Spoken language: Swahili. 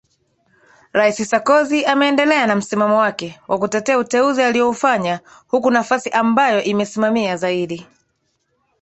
rais sarkozy ameendelea na msimamo wake wakutetea uteuzi alioufanya huku nafasi ambayo imesimamia zaidi